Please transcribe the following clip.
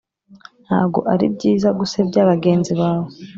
ntago ari byiza gusebya bagenzi bawe